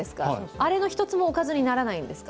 あれの一つもおかずにならないんですか。